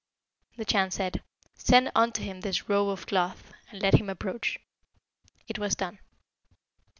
The Chan said, 'Send unto him this robe of cloth, and let him approach.' It was done.